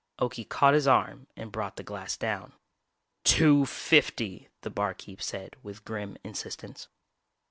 Okie caught his arm and brought the glass down. "Two fifty!" the barkeep said with grim insistence.